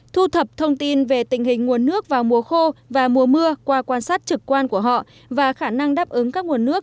thu thập thông tin về tình hình nguồn nước vào mùa khô và mùa mưa qua quan sát trực quan của họ và khả năng đáp ứng các nguồn nước